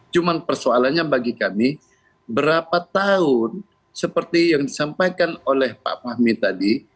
cuma persoalannya bagi kami berapa tahun seperti yang disampaikan oleh pak fahmi tadi